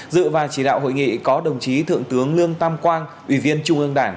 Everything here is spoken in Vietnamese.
dự và chỉ đạo hội nghị có đồng chí thượng tướng lương tam quang ủy viên trung ương đảng